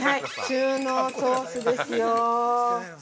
中濃ソースですよ。